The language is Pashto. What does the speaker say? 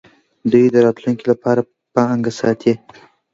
دوی د راتلونکي لپاره پانګه ساتي.